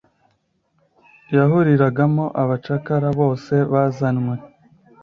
yahuriragamo abacakara bose bazanwe